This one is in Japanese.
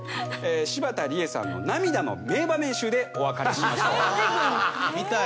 柴田理恵さんの涙の名場面集でお別れしましょう。